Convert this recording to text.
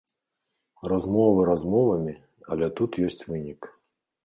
Размовы размовамі, але тут ёсць вынік.